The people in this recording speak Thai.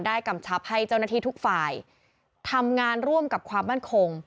กำชับให้เจ้าหน้าที่ทุกฝ่ายทำงานร่วมกับความมั่นคง